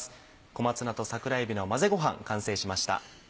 小松菜と桜えびの混ぜごはん完成しました。